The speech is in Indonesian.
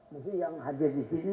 mungkin yang hadir disini